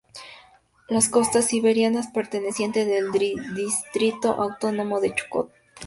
Las costas siberianas pertenecen al Distrito Autónomo de Chukotka.